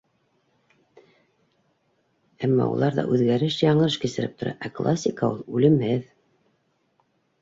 Әммә улар ҙа үҙгәреш, яңырыш кисереп тора, ә классика ул - үлемһеҙ.